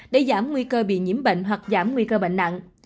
để giảm nguy cơ bị nhiễm bệnh hoặc giảm nguy cơ bệnh nặng